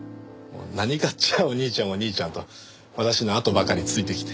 何かあっちゃお兄ちゃんお兄ちゃんと私のあとばかりついてきて。